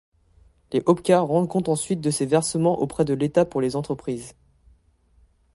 Les Opca rendent compte ensuite de ces versements auprès de l'État pour les entreprises.